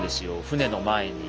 船の前に。